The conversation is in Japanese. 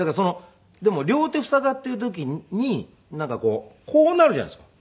でも両手塞がっている時にこうなるじゃないですか。